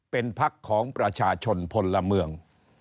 เป็นพักของประชาชนพลเมือง